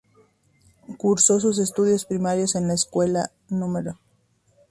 Cursó sus estudios primarios en la Escuela No.